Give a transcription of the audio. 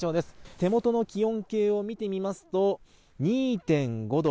手元の気温計を見てみますと、２．５度。